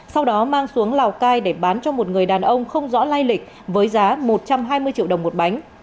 sau đó mang xuống lào cai để bán cho một người đàn ông không rõ lai lịch với giá một trăm hai mươi triệu đồng một bánh